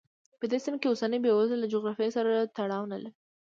په دې سیمه کې اوسنۍ بېوزلي له جغرافیې سره تړاو نه لري.